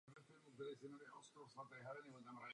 Řád měl jen jednu třídu.